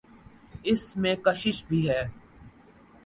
ان میں کشش بھی ہے۔